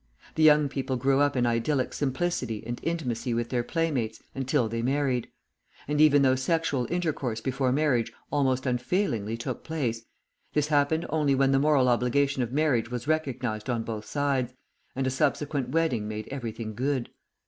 The young people grew up in idyllic simplicity and intimacy with their playmates until they married; and even though sexual intercourse before marriage almost unfailingly took place, this happened only when the moral obligation of marriage was recognised on both sides, and a subsequent wedding made everything good.